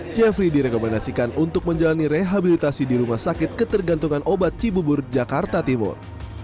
jeffrey direkomendasikan untuk menjalani rehabilitasi di rumah sakit ketergantungan obat cibubur jakarta timur